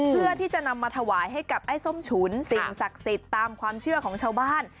เพื่อที่จะนำมาถวายให้กับไอ้ส้มฉุนสิ่งศักดิ์สิทธิ์ตามความเชื่อของชาวบ้าน